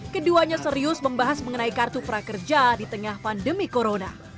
keduanya serius membahas mengenai kartu prakerja di tengah pandemi corona